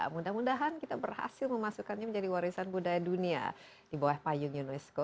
mudah mudahan kita berhasil memasukkannya menjadi warisan budaya dunia di bawah payung unesco